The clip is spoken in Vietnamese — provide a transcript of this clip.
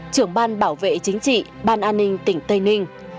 trưởng ban bảo vệ chính trị ban an ninh tỉnh tây ninh